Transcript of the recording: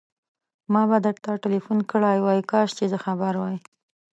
ما به درته ټليفون کړی وای، کاش چې زه خبر وای.